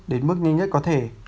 đến mức nhanh nhất có thể